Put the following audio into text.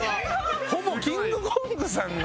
ほぼキングコングさんが。